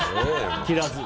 切らずに。